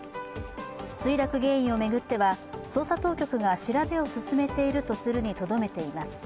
墜落原因を巡っては、捜査当局が調べを進めているとするにとどめています。